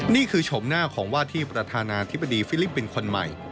ชมหน้าของว่าที่ประธานาธิบดีฟิลิปปินส์คนใหม่